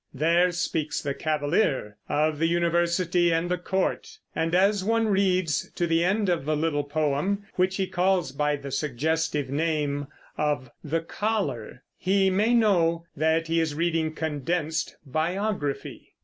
There speaks the Cavalier of the university and the court; and as one reads to the end of the little poem, which he calls by the suggestive name of "The Collar," he may know that he is reading condensed biography.